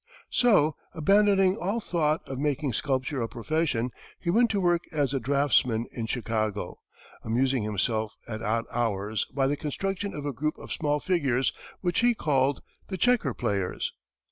So, abandoning all thought of making sculpture a profession, he went to work as a draughtsman in Chicago, amusing himself, at odd hours, by the construction of a group of small figures, which he called "The Checker Players."